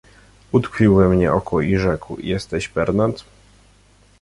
"Utkwił we mnie oko i rzekł: „Jesteś Pernat?"